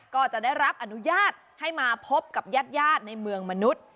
ก็จะได้รับอนุญาตให้มาพบกับญาติในเมืองมนุษย์